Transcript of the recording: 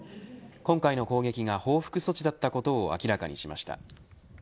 今回の攻撃は報復措置だったことを明らかにしました。